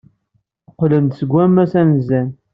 Qqlen-d seg wammas anezzan.